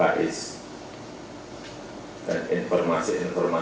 angka data survei semuanya ada